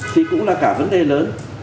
thì cũng là cả vấn đề lớn